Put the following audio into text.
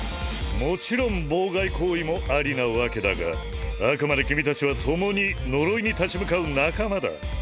もちろん妨害行為もありなわけだがあくまで君たちは共に呪いに立ち向かう仲間だ。